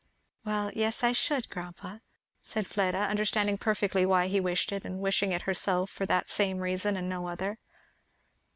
"Well yes, I should, grandpa," said Fleda, understanding perfectly why he wished it, and wishing it herself for that same reason and no other.